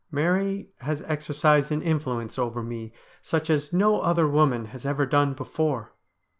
Mary has exercised an influence over me such as no other woman has ever done before.'